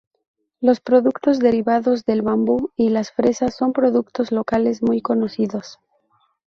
Los productos derivados del bambú y las fresas son productos locales muy conocidos.